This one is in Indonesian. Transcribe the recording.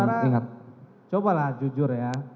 saudara cobalah jujur ya